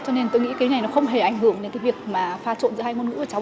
cho nên tôi nghĩ cái này nó không hề ảnh hưởng đến cái việc mà pha trộn giữa hai ngôn ngữ của cháu